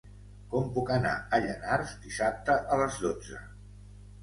Com puc anar a Llanars dissabte a les dotze?